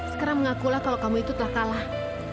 sekarang mengakulah kalau kamu itu telah kalah